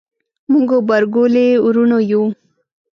موږ غبرګولي وروڼه یو